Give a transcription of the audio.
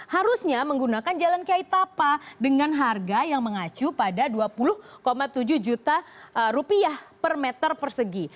harusnya menggunakan jalan kiai tapa dengan harga yang mengacu pada dua puluh tujuh juta rupiah per meter persegi